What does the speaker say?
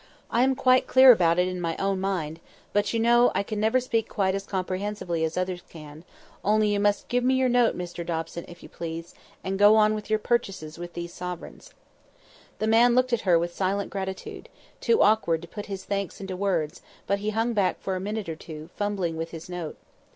I am quite clear about it in my own mind; but, you know, I can never speak quite as comprehensibly as others can, only you must give me your note, Mr Dobson, if you please, and go on with your purchases with these sovereigns." [Picture: You must give me your note, Mr Dobson, if you please] The man looked at her with silent gratitude—too awkward to put his thanks into words; but he hung back for a minute or two, fumbling with his note.